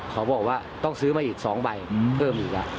เขาบอกว่าต้องซื้อมาอีก๒ใบเพิ่มอีกแล้ว